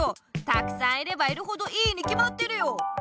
たくさんいればいるほどいいにきまってるよ！